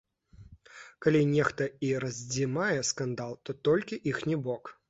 Калі нехта і раздзімае скандал, то толькі іхні бок.